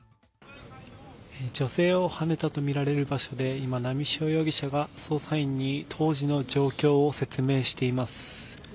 女性をはねたとみられる場所で今、波汐容疑者が捜査員に当時の状況を説明しています。